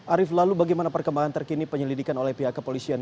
arief lalu bagaimana perkembangan terkini penyelidikan oleh pihak kepolisian